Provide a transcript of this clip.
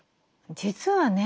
実はね